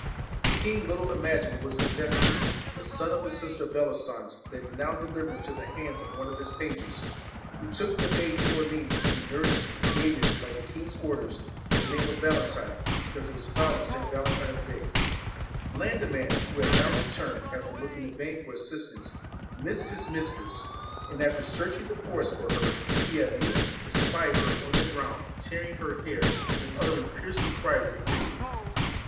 The king little imagined it was his nephew, the son of his sister Bellisance, that he now delivered into the hands of one of his pages, who took the babe to Orleans to be nursed, and gave it, by the king's orders, the name of Valentine, because it was found on S. Valentine's day. Blandiman, who had now returned, after looking in vain for assistance, missed his mistress; and after searching the forest for her, he at length 37 VALEN espied her on the ground, tearing her hair, and TINE AND uttering piercing cries of grief.